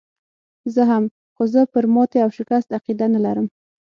زه هم، خو زه پر ماتې او شکست عقیده نه لرم.